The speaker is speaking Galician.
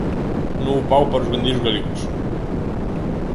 Novo pau para os gandeiros galegos.